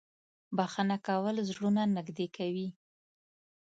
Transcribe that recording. • بښنه کول زړونه نږدې کوي.